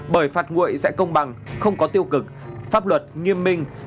bởi phạt nguội sẽ công bằng không có tiêu cực pháp luật nghiêm minh